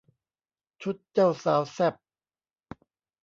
ชุดเจ้าสาวแซ่บ